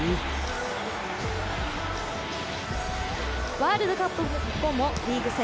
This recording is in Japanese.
ワールドカップ後もリーグ戦